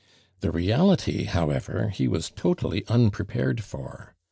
The reality however he was totally un prepared for.